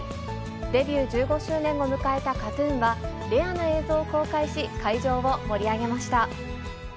デビュー１５周年を迎えたＫＡＴ−ＴＵＮは、レアな映像を公開し、会場を盛り上げました。